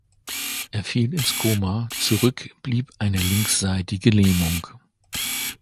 Er fiel ins Koma, zurück blieb eine linksseitige Lähmung.